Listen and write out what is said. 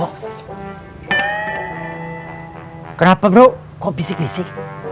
kenapa grouk kok bisik bisik